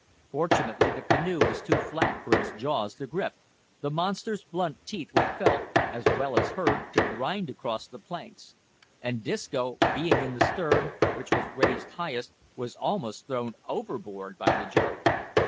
Fortunately the canoe was too flat for its jaws to grip; the monster's blunt teeth were felt, as well as heard, to grind across the planks; and Disco being in the stern, which was raised highest, was almost thrown overboard by the jerk.